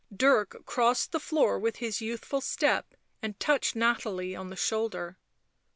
Dirk crossed the floor with his youthful step and touched Nathalie on the shoulder.